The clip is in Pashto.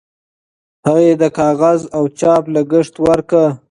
هغې د کاغذ او چاپ لګښت ورکړ.